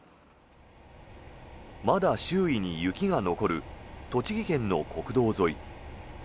まだ周囲に雪が残る栃木県の国道沿い。